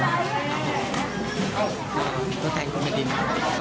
ตัดผมเพื่อตำรวจตัดผมแล้ว